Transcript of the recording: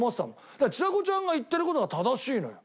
だからちさ子ちゃんが言ってる事が正しいのよ。